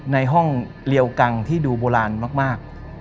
ในห้องเรียวกังที่ดูโบราณมาก